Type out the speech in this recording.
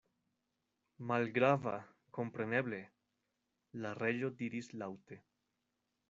"Malgrava, kompreneble," la Reĝo diris laŭte.